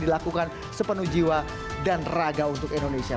dilakukan sepenuh jiwa dan raga untuk indonesia